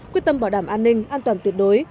quyết tâm bảo đảm an ninh an toàn tuyệt đối